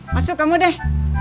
masuk kamu deh